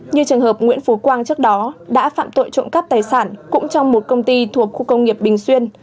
như trường hợp nguyễn phú quang trước đó đã phạm tội trộm cắp tài sản cũng trong một công ty thuộc khu công nghiệp bình xuyên